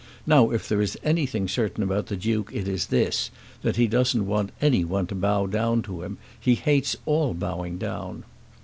Now if there is anything certain about the Duke it is this, that he doesn't want any one to bow down to him. He hates all bowing down."